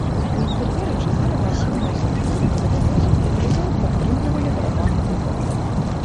У інтэр'еры чатыры масіўныя слупы пры дапамозе ветразяў падтрымлівалі барабан купала.